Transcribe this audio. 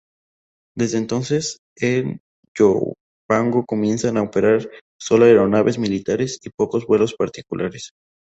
Desde entonces en Ilopango comienzan a operar solo aeronaves militares y pocos vuelos particulares.